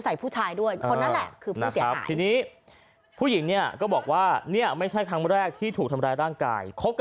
ผู้ชายด้วยคนนั้นแหละคือผู้เสียหายทีนี้ผู้หญิงเนี่ยก็บอกว่าเนี่ยไม่ใช่ครั้งแรกที่ถูกทำร้ายร่างกายคบกับ